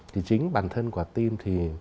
thì chính bản thân quả tim